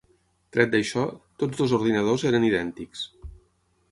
Tret d'això, tots dos ordinadors eren idèntics.